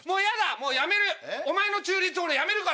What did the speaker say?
もうやめるお前の中立俺やめるから。